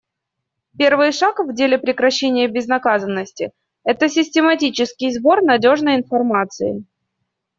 Первый шаг в деле прекращения безнаказанности — это систематический сбор надежной информации.